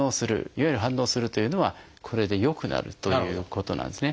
いわゆる「反応する」というのはこれで良くなるということなんですね。